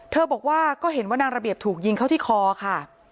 บอกว่าก็เห็นว่านางระเบียบถูกยิงเข้าที่คอค่ะ